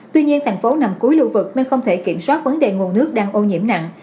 tuy nhiên thành phố nằm cuối lưu vực nên không thể kiểm soát vấn đề nguồn nước đang ô nhiễm nặng